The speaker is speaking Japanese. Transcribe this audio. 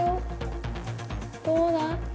どうだ？